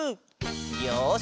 よし！